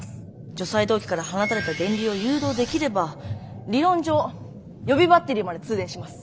除細動器から放たれた電流を誘導できれば理論上予備バッテリーまで通電します。